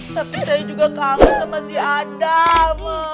tapi saya juga kangen sama si adam